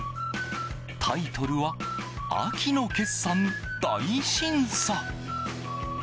タイトルは「秋の決算大審査」。